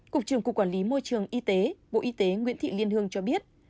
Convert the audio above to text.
cục trường cục quản lý môi trường y tế bộ y tế nguyễn thị liên hương cho biết